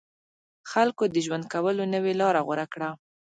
خلکو د ژوند کولو نوې لاره غوره کړه.